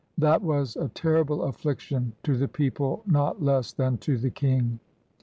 That was a terrible affiction, to the people not less than to the king.